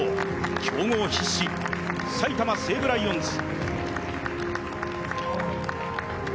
競合必至、埼玉西武ライオンズ。